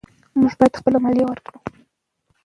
موږ باید خپله مالیه ورکړو.